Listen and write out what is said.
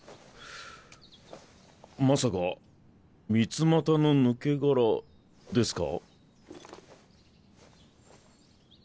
まさかミツマタの抜け殻ですか？